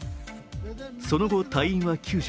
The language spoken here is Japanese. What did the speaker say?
その後、隊員は救助。